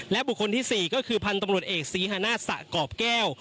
บุคคลที่๔ก็คือพันธุ์ตำรวจเอกศรีฮนาศสะกรอบแก้ว